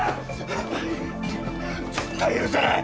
はぁ絶対許さない！